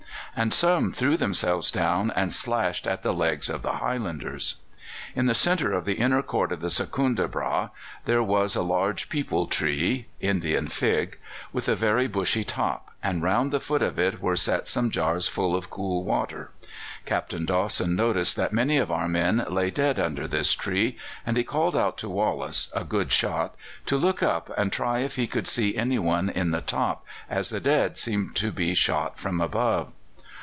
and some threw themselves down and slashed at the legs of the Highlanders. In the centre of the inner court of the Secundrabâgh there was a large peepul tree (Indian fig), with a very bushy top, and round the foot of it were set some jars full of cool water. Captain Dawson noticed that many of our men lay dead under this tree, and he called out to Wallace, a good shot, to look up and try if he could see anyone in the top, as the dead seemed to be shot from above.